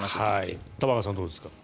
玉川さん、どうですか？